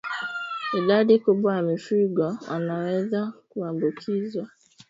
idadi kubwa ya mifugo wanaweza kuambukizwa